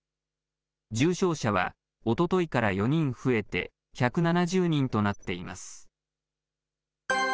重症者はおとといから４人増えて１７０人となっています。